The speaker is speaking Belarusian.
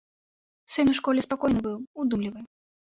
Сын у школе спакойны быў, удумлівы.